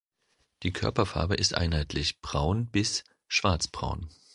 Die Körperfarbe ist einheitlich braun bis schwarz-braun.